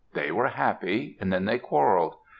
They were happy; then they quarreled.